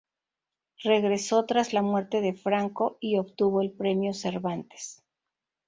Regresó tras la muerte de Franco y obtuvo el premio Cervantes.